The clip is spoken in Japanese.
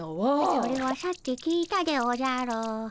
それはさっき聞いたでおじゃる。